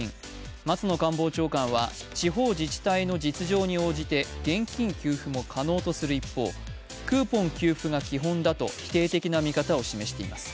松野官房長官は地方自治体の実情に応じて現金給付も可能とする一方、クーポン給付が基本だと否定的な見方を示しています。